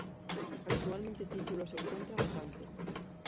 Actualmente el título se encuentra vacante.